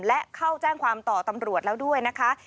และเข้าแจ้งความต่อตำรวจแล้วด้วยนะคะ